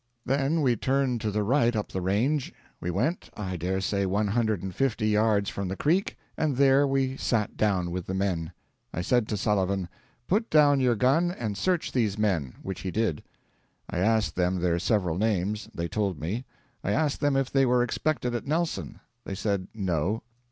Then we turned to the right up the range; we went, I daresay, one hundred and fifty yards from the creek, and there we sat down with the men. I said to Sullivan, 'Put down your gun and search these men,' which he did. I asked them their several names; they told me. I asked them if they were expected at Nelson. They said, 'No.'